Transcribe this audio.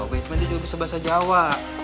kamu gak tau batman juga bisa bahasa jawa